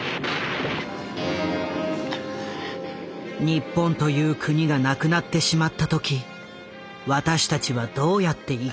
日本という国がなくなってしまった時私たちはどうやって生き延びるのか。